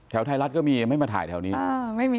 ไทยรัฐก็มีไม่มาถ่ายแถวนี้